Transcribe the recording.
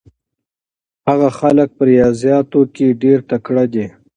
هغه هلک په ریاضیاتو کې ډېر تکړه دی.